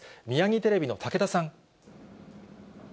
ミヤギテレビの武田さん。